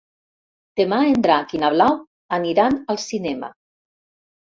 Demà en Drac i na Blau aniran al cinema.